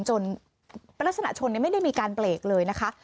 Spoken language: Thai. ลักษณะชนไม่ได้มีการเบรกเลยนะคะ